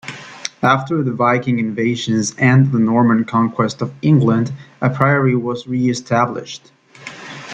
After the Viking invasions and the Norman conquest of England, a priory was reestablished.